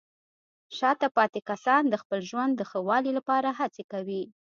شاته پاتې کسان د خپل ژوند د ښه والي لپاره هڅې کوي.